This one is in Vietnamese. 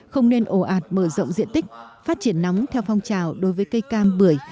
không nên ồ ạt mở rộng diện tích phát triển nóng theo phong trào đối với cây cam bưởi